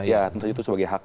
ya tentu itu sebagai hak